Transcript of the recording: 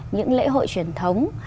những lễ hội truyền thống